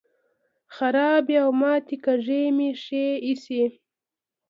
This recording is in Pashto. خرابې او ماتې کاږي مې ښې ایسي.